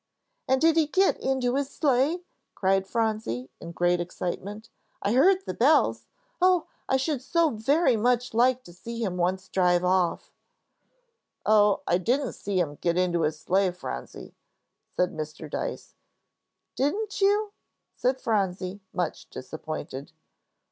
"And did he get into his sleigh?" cried Phronsie, in great excitement. "I heard the bells. Oh, I should so very much like to see him once drive off." "Oh, I didn't see him get into his sleigh, Phronsie," said Mr. Dyce. "Didn't you?" said Phronsie, much disappointed.